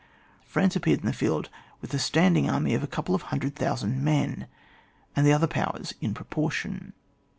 France appecu^ in the field with a standing army of a couple of hundred thousand men, and the other powers in proportion.